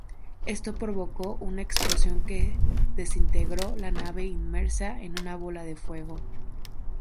Esto provocó una explosión que desintegró la nave inmersa en una bola de fuego.